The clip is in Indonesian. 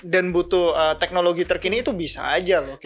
dan butuh teknologi terkini itu bisa aja loh